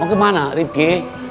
oh kemana lipki